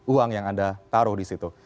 uang yang anda taruh di situ